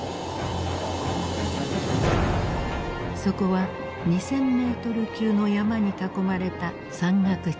そこは２，０００メートル級の山に囲まれた山岳地帯。